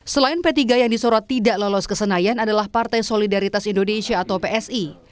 selain p tiga yang disorot tidak lolos ke senayan adalah partai solidaritas indonesia atau psi